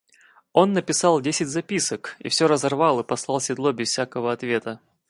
Он написал десять записок и все разорвал и послал седло без всякого ответа.